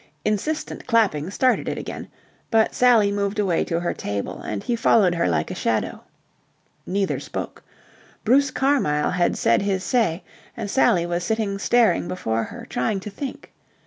Insistent clapping started it again, but Sally moved away to her table, and he followed her like a shadow. Neither spoke. Bruce Carmyle had said his say, and Sally was sitting staring before her, trying to think.